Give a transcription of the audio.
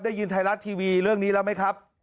ได้ยินไทยรัฐทีวีเรื่องนี้แล้วไหมครับ